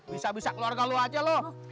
bisa bisa keluarga lu aja loh